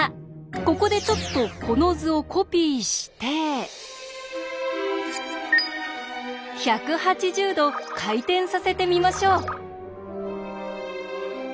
ここでちょっとこの図をコピーして１８０°回転させてみましょう。